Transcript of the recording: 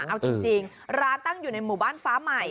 เอาจริงร้านตั้งอยู่ในหมู่บ้านฟ้าใหม่